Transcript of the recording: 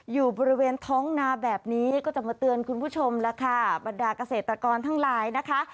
อยู่บริเวณท้องนาแบบนี้ก็จะมาเตือนคุณผู้ชมแล้วค่ะบรรดาเกษตรกรทั้งหลายนะคะ